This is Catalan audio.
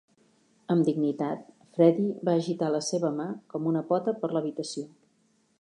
Amb dignitat, Freddie va agitar la seva mà com una pota per l'habitació.